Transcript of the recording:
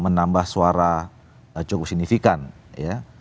menambah suara cukup signifikan ya